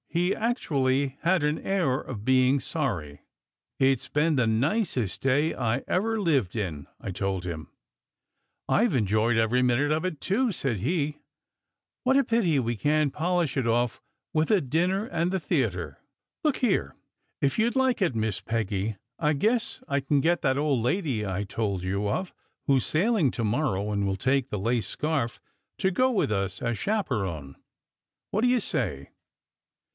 he actually had the air of being sorry. "It s been the nicest day I ever lived in," I told him. "I ve enjoyed every minute of it, too," said he. "What SECRET HISTORY 29 a pity we can t polish it off with a dinner and the theatre. Look here, if you d like it, Miss Peggy, I guess I can get that old lady I told you of, who s sailing to morrow and will take the lace scarf, to go with us as chaperon. What do you say?"